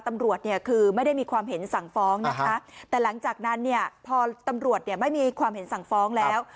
ตำรวจเนี่ยคือไม่ได้มีความเห็นสั่งฟ้องนะคะแต่หลังจากนั้นเนี่ยพอตำรวจเนี่ยไม่มีความเห็นสั่งฟ้องแล้ว